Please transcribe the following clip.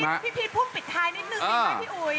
พี่พีชพูดปิดท้ายนิดนึงได้ไหมพี่อุ๋ย